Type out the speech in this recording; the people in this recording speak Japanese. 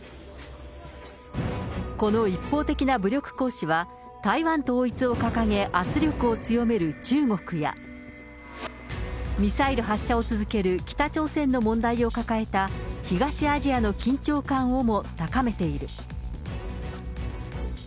この一方的な武力行使は、台湾統一を掲げ、圧力を強める中国や、ミサイル発射を続ける、北朝鮮の問題を抱えた東アジアの緊張感をも高めている。